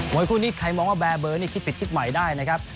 วยคู่นี้ใครมองว่าแบร์เบอร์นี่คิดปิดคิดใหม่ได้นะครับ